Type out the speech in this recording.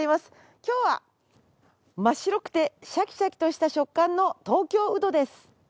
今日は真っ白くてシャキシャキとした食感の東京ウドです。